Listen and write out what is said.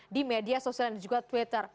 di media sosial dan juga twitter